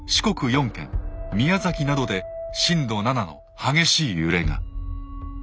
４県宮崎などで震度７の激しい揺れが。